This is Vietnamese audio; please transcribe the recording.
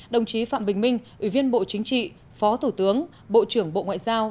đồng chí phạm bình minh ủy viên bộ chính trị phó thủ tướng bộ trưởng bộ ngoại giao